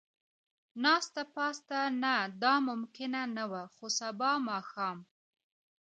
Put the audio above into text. ناسته پاسته، نه دا ممکنه نه وه، خو سبا ماښام.